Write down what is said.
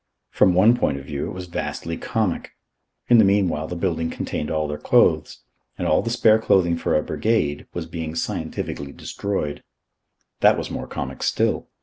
From one point of view it was vastly comic. In the meanwhile the building containing all their clothes, and all the spare clothing for a brigade, was being scientifically destroyed. That was more comic still.